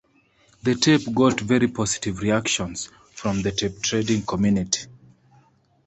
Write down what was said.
The tape got very positive reactions from the tapetrading community.